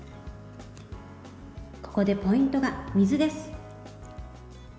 ここでポイントが、水です。